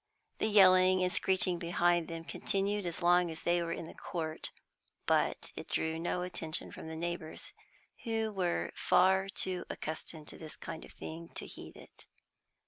The yelling and screeching behind them continued as long as they were in the Court, but it drew no attention from the neighbours, who were far too accustomed to this kind of thing to heed it.